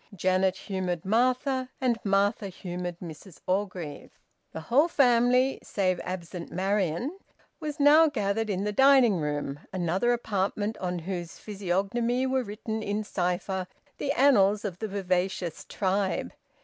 Janet humoured Martha, and Martha humoured Mrs Orgreave. The whole family (save absent Marian) was now gathered in the dining room, another apartment on whose physiognomy were written in cipher the annals of the vivacious tribe.